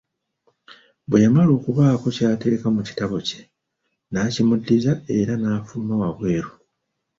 Bwe yamala okubaako ky'ateeka mu kitabo kye, n’akimuddiza era n’afuluma wabweru.